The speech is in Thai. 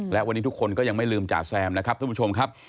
และวันนี้ทุกคนก็ยังไม่ลืมจ่าแซมนะครับท่านผู้ชมครับ